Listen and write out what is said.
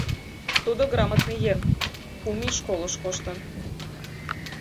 Тудо грамотный еҥ, кум ий школыш коштын...